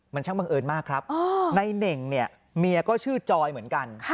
มันช่างบังเอิญมากครับในเน่งเนี่ยเมียก็ชื่อจอยเหมือนกัน